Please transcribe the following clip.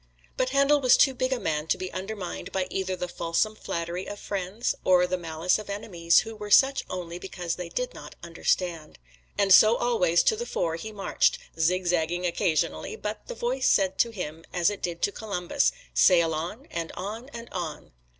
But Handel was too big a man to be undermined by either the fulsome flattery of friends, or the malice of enemies, who were such only because they did not understand. And so always to the fore he marched, zigzagging occasionally, but the Voice said to him, as it did to Columbus, "Sail on, and on, and on."